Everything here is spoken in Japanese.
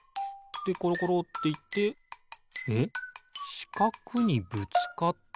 でころころっていってえっしかくにぶつかって？